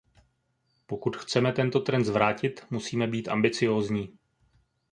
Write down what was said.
Pokud chceme tento trend zvrátit, musíme být ambiciózní.